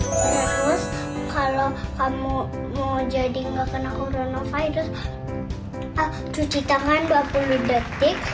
terus kalau kamu mau jadi nggak kena coronavirus cuci tangan dua puluh detik